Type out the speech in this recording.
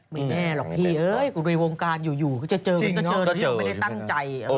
ไม่แน่หรอกพี่โดยวงการอยู่ก็จะเจอแล้วยังไม่ได้ตั้งใจ